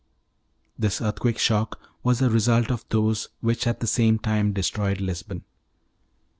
This earthquake shock was the result of those which at the same time destroyed Lisbon.